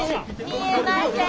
見えません。